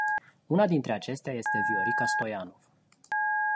Una dintre acestea este Viorica Stoianov.